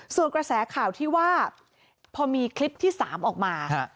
ส่วนกระแสข่าวที่ว่าพอมีคลิปที่๓ออกมา